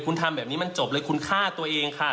คุณทำแบบนี้มันจบเลยคุณฆ่าตัวเองค่ะ